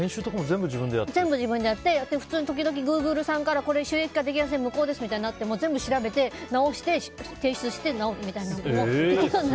自分でやってグーグルさんからこれ、収益化なりません無効ですみたいになっても全部調べて直して提出して、みたいなのも。